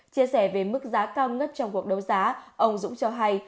chia sẻ về mức giá cao nhất trong cuộc đấu giá ông dũng cho hay